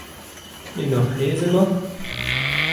En hoc'h aez emaoc'h ?